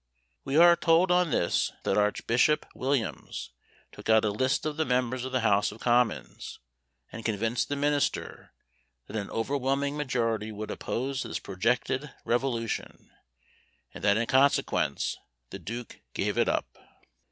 We are told on this, that Archbishop Williams took out a list of the members of the House of Commons, and convinced the minister that an overwhelming majority would oppose this projected revolution, and that in consequence the duke gave it up.